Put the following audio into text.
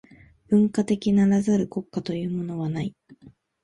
文化的ならざる国家というものはない。